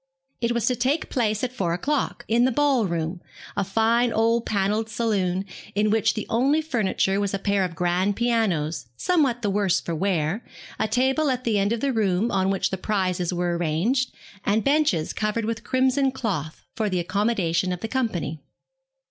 It was to take place at four o'clock, in the ball room, a fine old panelled saloon, in which the only furniture was a pair of grand pianos, somewhat the worse for wear, a table at the end of the room on which the prizes were arranged, and benches covered with crimson cloth for the accommodation of the company.